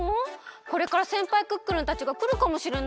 これからせんぱいクックルンたちがくるかもしれないのに。